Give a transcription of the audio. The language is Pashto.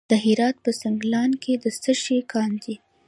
د هرات په سنګلان کې د څه شي کان دی؟